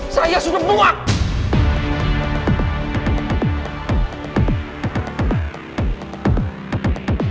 saya sudah muak